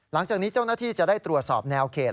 หลังจากนี้เจ้าหน้าที่จะได้ตรวจสอบแนวเขต